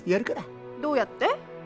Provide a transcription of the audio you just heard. どうやって？